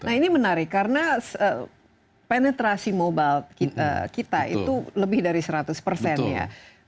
nah ini menarik karena penetrasi mobile kita itu lebih dari seratus persen ya